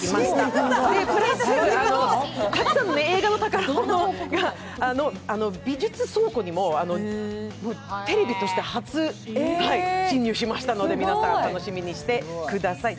それと、たくさんの映画の宝物の美術倉庫にもテレビとして初潜入しましたので、皆さん、楽しみにしてください。